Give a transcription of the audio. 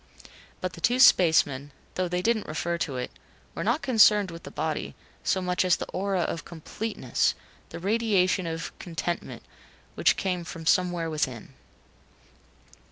But the two spacemen, though they didn't refer to it were not concerned with the body so much as the aura of completeness, the radiation of contentment which came from somewhere within.